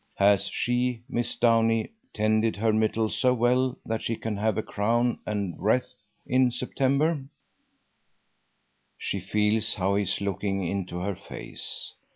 Has she, Miss Downie, tended her myrtle so well that she can have a crown and wreath in September? She feels how he is looking into her face.